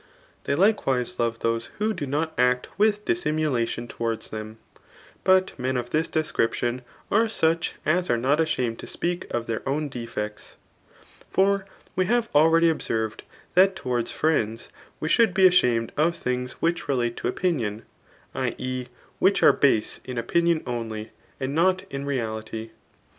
They likewise love those who do not act with dissimulation • toward them ; but men of this descrqpdon are such as aieoot a^amed to speak of their own defects. For we have already observed that towards friends^ we should be ashamed of things which relate to opinion, [i. e. which are base in opinion only, and not in reality.